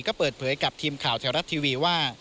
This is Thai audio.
ก็เปิดเผยกับทีมข่าวแถวรัฐทีวีว่า